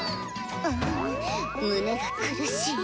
あん胸が苦しい。